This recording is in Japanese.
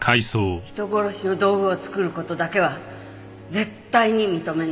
人殺しの道具を作る事だけは絶対に認めない。